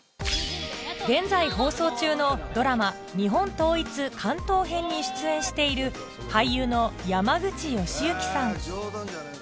現在放送中のドラマ『日本統一関東編』に出演している俳優の山口祥行さん